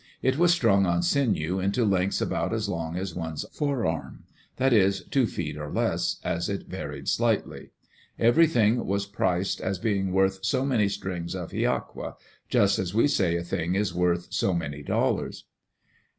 It was strung on sinew into lengths about as long as one's forearm; that is, two feet or less, as it varied slightly. Every thing was priced as being worth so many strings of hiaqua, just as we say a thing is worth so many dollars.